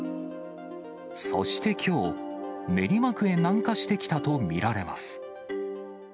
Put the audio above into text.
そしてきょう、練馬区へ南下してきたと見られます。